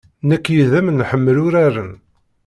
Nekk yid-m nḥemmel uraren.